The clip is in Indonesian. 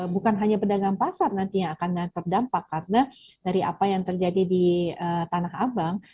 bukan hanya pedagang pasar nanti yang akan terdampak karena dari apa yang terjadi di tanah abang